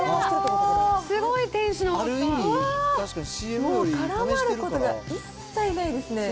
もう絡まることが一切ないですね。